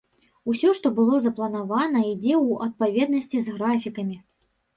Усё, што было запланавана, ідзе ў адпаведнасці з графікамі.